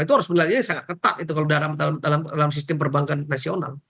itu harus melihatnya sangat ketat itu kalau dalam sistem perbankan nasional